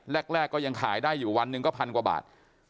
แรกก็ยังขายได้อยู่วันหนึ่งก็พันกว่าบาท